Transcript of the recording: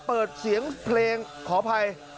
เปิดเสียงเพลงขออภัย